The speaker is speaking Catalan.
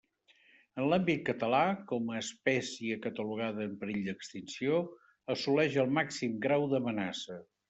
En l'àmbit català, com a espècie catalogada en perill d'extinció, assoleix el màxim grau d'amenaça.